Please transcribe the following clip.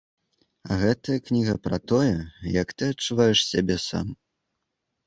А гэта кніга пра тое, як ты адчуваеш сябе там.